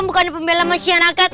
bukan pembelah masyarakat